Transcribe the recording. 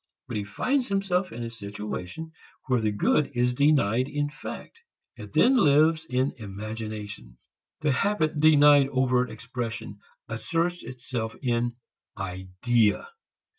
But he finds himself in a situation where the good is denied in fact. It then lives in imagination. The habit denied overt expression asserts itself in idea.